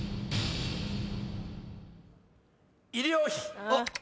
医療費。